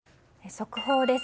速報です。